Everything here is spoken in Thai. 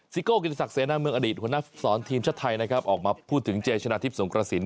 ซิโก่เกรียรติศักดิ์เสน่ห์เมืองอดีตคุณนักฟิศสอนทีมชาติไทยนะครับออกมาพูดถึงเจชนะทิพย์สงกระศิลป์